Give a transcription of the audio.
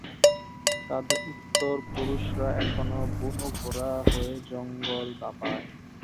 তাদের উত্তর-পুরুষরা এখন বুনো ঘোড়া হয়ে জঙ্গল দাপায়।